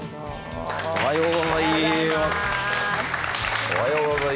おはようございます。